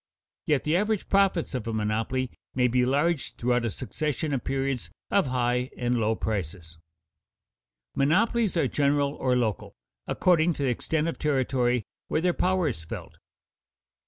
Yet the average profits of a monopoly may be large throughout a succession of periods of high and low prices. Monopolies are general or local, according to the extent of territory where their power is felt.